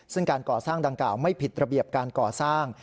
ซึ่งการก่อสร้างดังกล่าวไม่ผิดระเบียบการก่อสร้าง